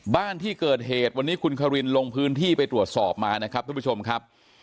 บ้านที่เกิดเหตุวันนี้คุณคารินลงพื้นที่ไปตรวจสอบมานะครับทุกผู้ชมครับ